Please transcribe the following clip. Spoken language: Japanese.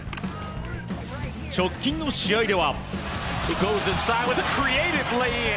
直近の試合では。